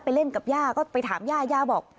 เล่นกับย่าก็ไปถามย่าย่าบอก